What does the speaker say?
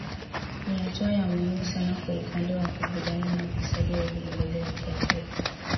ni hatua muhimu sana kwa upande wa kupigana na ufisadi wa viongozi wa kiafrika